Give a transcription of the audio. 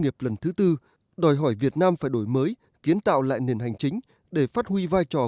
nghiệp lần thứ tư đòi hỏi việt nam phải đổi mới kiến tạo lại nền hành chính để phát huy vai trò